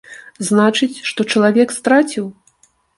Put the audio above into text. Значыць, што чалавек страціў?